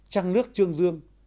trăng nước chương dương